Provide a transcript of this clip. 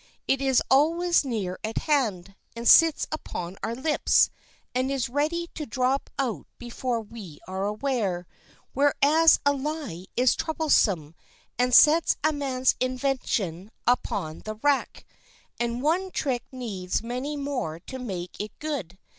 It is always near at hand, and sits upon our lips, and is ready to drop out before we are aware; whereas a lie is troublesome, and sets a man's invention upon the rack; and one trick needs many more to make it good.